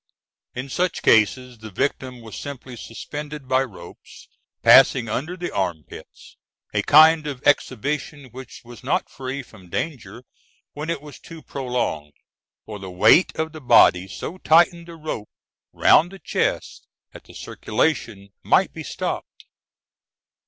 In such cases, the victim was simply suspended by ropes passing under the arm pits, a kind of exhibition which was not free from danger when it was too prolonged, for the weight of the body so tightened the rope round the chest that the circulation might be stopped.